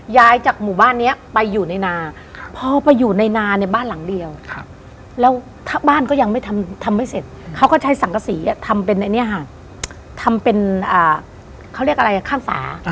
ทำเป็นเขาเรียกอะไรข้างฝา